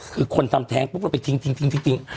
คือคนทำแทงปุ๊บด้วยทิ้งทิ้งทิ้ง